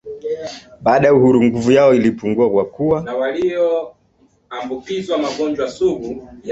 Baada ya uhuru nguvu yao ilipungua kwa kuwa